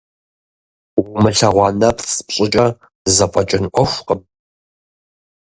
Умылъэгъуа нэпцӀ пщӏыкӏэ зэфӏэкӏын ӏуэхукъым.